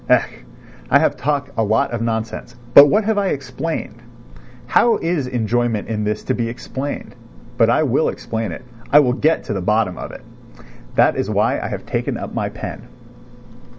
Ech, I have talked a lot of nonsense, but what have I explained? How is enjoyment in this to be explained? But I will explain it. I will get to the bottom of it! That is why I have taken up my pen....